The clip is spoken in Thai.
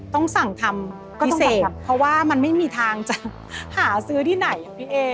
ต้องสั่งทำเกษตรเพราะว่ามันไม่มีทางจะหาซื้อที่ไหนพี่เอ